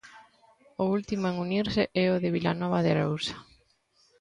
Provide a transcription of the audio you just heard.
O último en unirse é o de Vilanova de Arousa.